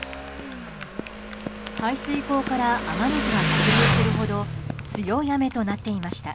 排水溝から雨水が逆流するほど強い雨となっていました。